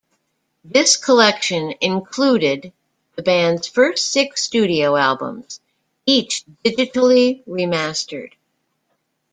This collection included the band's first six studio albums, each digitally remastered.